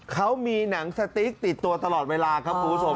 เขามีหนังสติ๊กติดตัวตลอดเวลาครับคุณผู้ชม